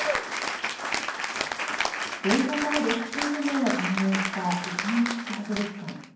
文化財レスキュー事業が完了した石巻市博物館。